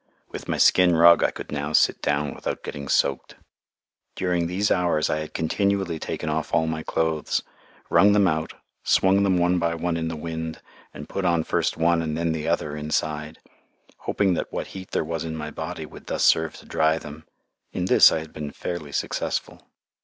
With my skin rug I could now sit down without getting soaked. During these hours I had continually taken off all my clothes, wrung them out, swung them one by one in the wind, and put on first one and then the other inside, hoping that what heat there was in my body would thus serve to dry them. In this I had been fairly successful.